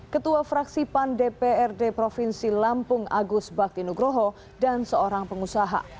ketua fraksi pan dprd provinsi lampung agus bakti nugroho dan seorang pengusaha